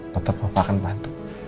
tetap papa akan bantu